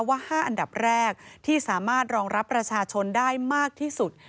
ว่า๕อันดับแรกที่สามารถรองรับประชาชนได้มากที่สุด